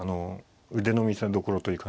腕の見せどころという感じで。